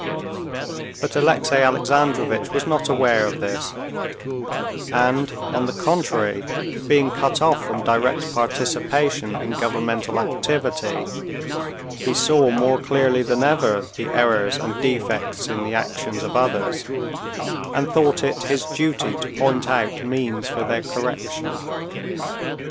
But Alexey Alexandrovitch was not aware of this, and, on the contrary, being cut off from direct participation in governmental activity, he saw more clearly than ever the errors and defects in the action of others, and thought it his duty to point out means for their correction.